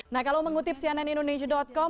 nah kalau mengutip siananindonesia com